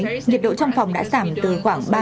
nhiệt độ trong phòng không được tăng cao